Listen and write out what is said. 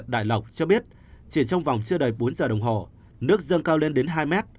đại lộc cho biết chỉ trong vòng chưa đầy bốn giờ đồng hồ nước dâng cao lên đến hai mét